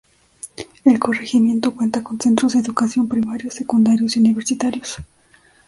El corregimiento cuenta con centros de educación primarios, secundarios y universitarios.